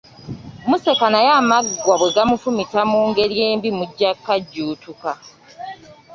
Museka naye amaggwa bwe gamufumita mu ngeri embi mujja kukajjuutuka.